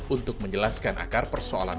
untuk menjelaskan akar persoalan